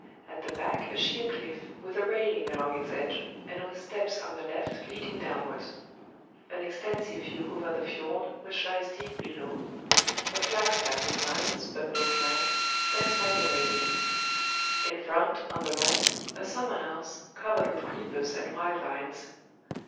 At the back a sheer cliff, with a railing along its edge, and with steps on the left leading downwards. An extensive view over the fiord, which lies deep below. A flagstaff with lines, but no flag, stands by the railing. In front, on the right, a summer house, covered with creepers and wild vines.